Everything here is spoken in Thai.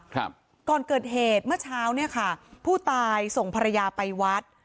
ก่อนเกิดเหตุเมื่อเช้าเนี่ยค่ะผู้ตายส่งภรรยาไปวัด